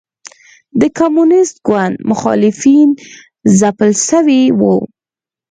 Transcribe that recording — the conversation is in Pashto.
د کمونېست ګوند مخالفین ځپل شوي وو.